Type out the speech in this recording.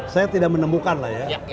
saya tidak menemukan lah ya